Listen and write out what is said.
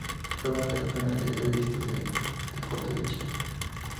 Fue una de las primera revistas de deportes de Chile.